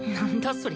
それ。